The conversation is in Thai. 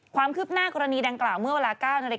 ความคืบหน้ากรณีดังกล่าวเมื่อเวลา๙นาฬิก